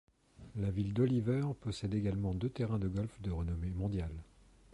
La ville d'Oliver possède également deux terrains de golf de renommée mondiale.